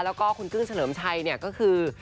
แล้วก็คุณกึ้งเฉลิมชัยเนี่ยก็คือ